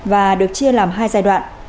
và được chia làm hai giai đoạn